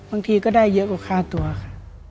บางทีก็ได้เยอะกว่าค่าตัวค่ะ